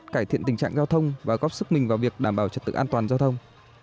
cải thiện tình trạng giao thông và góp sức mình vào việc đảm bảo trật tự an toàn giao thông